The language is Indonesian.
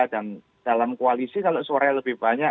dan dalam koalisi kalau suaranya lebih banyak